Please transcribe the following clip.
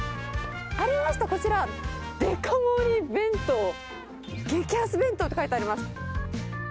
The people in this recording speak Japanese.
ありました、こちら、デカ盛り弁当、激安弁当って書いてあります。